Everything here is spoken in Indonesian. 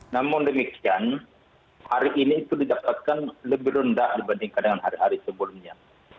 namun demikian hari ini itu didapatkan lebih rendah dibandingkan dengan hari hari sebelumnya